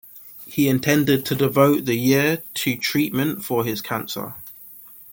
He intended to devote the year to treatment for his cancer.